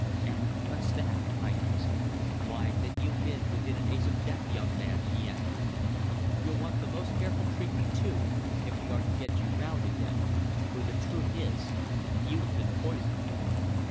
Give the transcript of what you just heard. "And what's that?" I asked. "Why, that you've been within an ace of death, young man," he answered. "You'll want the most careful treatment, too, if we are to get you round again, for the truth is you've been poisoned!"